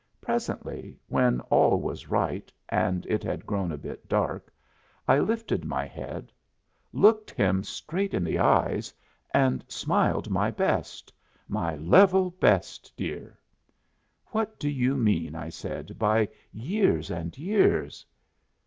Presently, when all was right, and it had grown a bit dark, I lifted my head, looked him straight in the eyes and smiled my best my level best, dear. "What do you mean," I said, "by 'years and years'?"